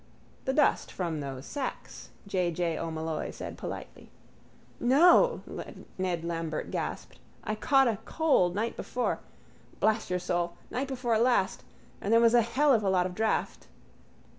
—The dust from those sacks, J. J. O'Molloy said politely. —No, Ned Lambert gasped, I caught a... cold night before... blast your soul... night before last... and there was a hell of a lot of draught...